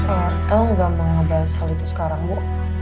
rl nggak mau ngebahas hal itu sekarang bu